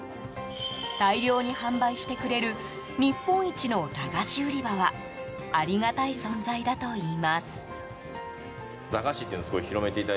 大量に販売してくれる日本一のだがし売場はありがたい存在だといいます。